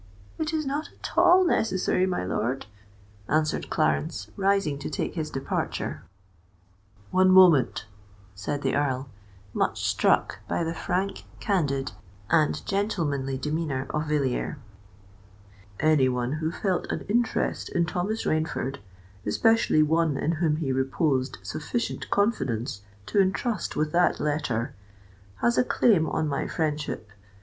"It is not at all necessary, my lord," answered Clarence, rising to take his departure. "One moment," said the Earl, much struck by the frank, candid, and gentlemanly demeanour of Villiers: "any one who felt an interest in Thomas Rainford—especially one in whom he reposed sufficient confidence to entrust with that letter—has a claim on my friendship.